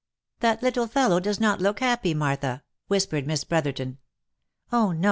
"That little fellow does not look happy, Martha," whispered Miss Brotherton. " Oh no !